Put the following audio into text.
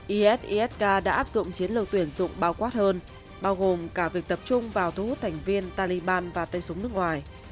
isisk đã áp dụng chiến lược tuyển dụng bao quát hơn bao gồm cả việc tập trung vào thu hút thành viên taliban và tay súng nước ngoài